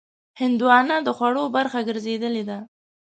هندوانه د خوړو برخه ګرځېدلې ده.